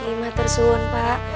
ima tersuhun pak